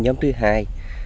nhóm thứ hai